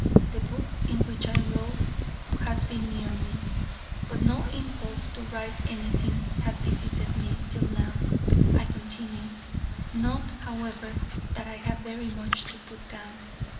The book in which I wrote has been near me: but no impulse to write anything has visited me, till now I continue; not, however, that I have very much to put down.